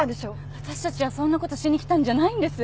私たちはそんな事しに来たんじゃないんです。